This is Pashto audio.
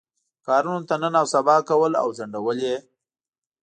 کارونو ته نن او سبا کول او ځنډول یې.